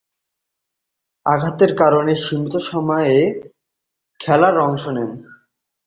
আঘাতের কারণে সীমিত সময়ের খেলায় অংশ নেন।